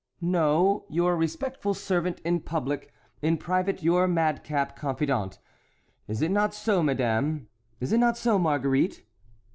"No; your respectful servant in public—in private, your madcap confidante, is it not so, madame? Is it not so, Marguerite?"